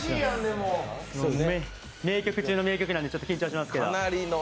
名曲中の名曲なので緊張しますけど。